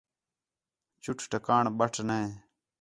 چُٹ ٹکاڑݨ بٹ نے